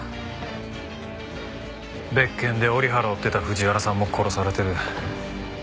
別件で折原を追ってた藤原さんも殺されてる。